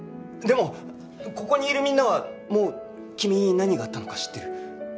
でもここにいるみんなはもう君に何があったのか知ってる。